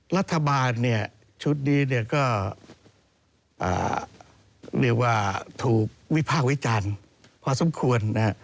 รัฐบาลชุดนี้ก็ถูกวิภาควิจารณ์พอสมควร